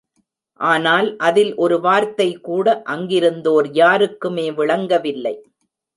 ஆனால், அதில் ஒரு வார்த்தை கூட அங்கிருந்தோர் யாருக்குமே விளங்கவில்லை.